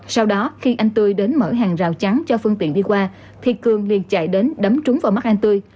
sau đó khi anh tươi đến mở hàng rào chắn cho phương tiện đi qua thì cường liền chạy đến đấm trúng vào mắt anh tươi